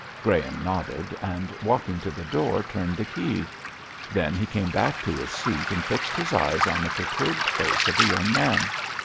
Graham nodded, and walking to the door turned the key. Then he came back to his seat and fixed his eyes on the perturbed face of the young man.